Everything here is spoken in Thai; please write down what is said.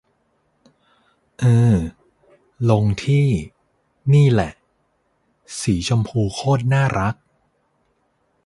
อือ ลงที่ นี่แหละ สีชมพูโคตรน่ารัก